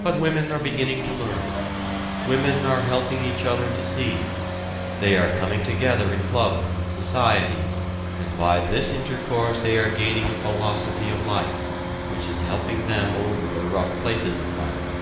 But women are beginning to learn. Women are helping each other to see. They are coming together in clubs and societies and by this intercourse they are gaining a philosophy of life, which is helping them over the rough places of life.